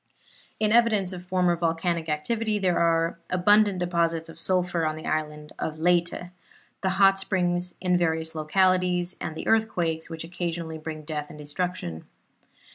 In evidence of former volcanic activity are the abundant deposits of sulphur on the island of Leyte, the hot springs in various localities, and the earthquakes which occasionally bring death and destruction.